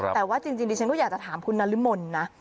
แต่ว่าจริงดิฉันก็อยากจะถามคุณนรมนนะ